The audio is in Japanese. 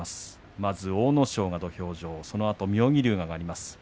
まず阿武咲が土俵上そのあと妙義龍が上がります。